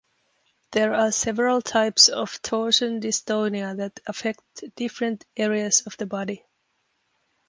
There are several types of torsion dystonia that affect different areas of the body.